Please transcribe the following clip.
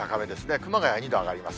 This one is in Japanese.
熊谷２度上がります。